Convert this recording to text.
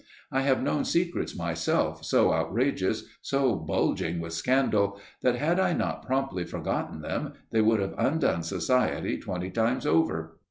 I have known secrets myself, so outrageous, so bulging with scandal, that, had I not promptly forgotten them, they would have undone society twenty times over!